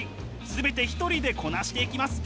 全て一人でこなしていきます。